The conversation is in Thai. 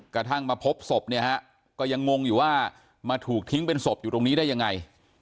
กระทั่งมาพบศพเนี่ยฮะก็ยังงงอยู่ว่ามาถูกทิ้งเป็นศพอยู่ตรงนี้ได้ยังไง